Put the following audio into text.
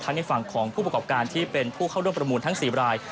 ในฝั่งของผู้ประกอบการที่เป็นผู้เข้าร่วมประมูลทั้ง๔ราย